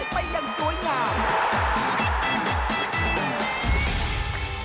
ไปอย่างสวยงาม